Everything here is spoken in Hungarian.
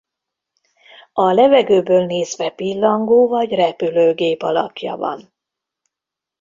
A levegőből nézve pillangó vagy repülőgép alakja van.